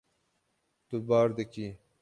Tu bar dikî.